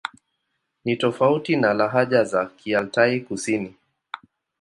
Ni tofauti na lahaja za Kialtai-Kusini.